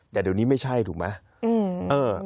แต่เดี๋ยวนี้ไม่ใช่ถูกไหม